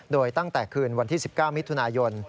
โดยตั้งแต่คืนวันที่๑๙มิถุนายน